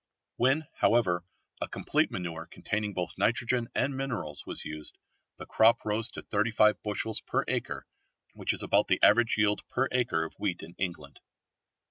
When, however, a complete manure containing both nitrogen and minerals was used the crop rose to 35 bushels per acre which is about the average yield per acre of wheat in England.